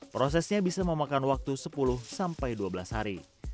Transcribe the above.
prosesnya bisa memakan waktu sepuluh sampai dua belas hari